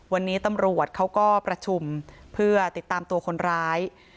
วันนี้ตำรวจเขาก็ประชุมเพื่อติดตามตัวคนร้าย